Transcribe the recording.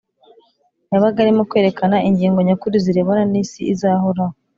yabaga arimo kwerekana ingingo nyakuri zirebana n’isi izahoraho